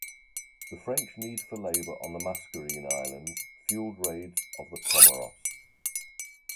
The French need for labor on the Mascarene Islands fueled raids of the Comoros.